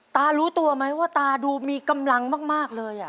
ตารู้ตัวไหมว่าตาดูมีกำลังมากเลย